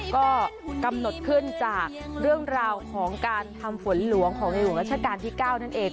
ก็กำหนดขึ้นจากเรื่องราวของการทำฝนหลวงของในหลวงราชการที่๙นั่นเอง